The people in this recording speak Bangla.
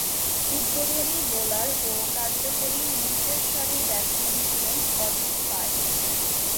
উদ্বোধনী বোলার ও কার্যকরী নিচেরসারির ব্যাটসম্যান ছিলেন অজিত পাই।